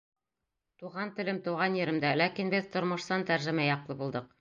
Туған телем тыуған еремдә Ләкин беҙ тормошсан тәржемә яҡлы булдыҡ.